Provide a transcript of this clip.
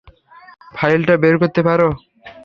ফাইলটা বের করতে পারো?